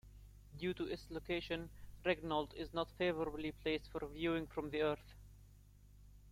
Due to its location, Regnault is not favorably placed for viewing from the Earth.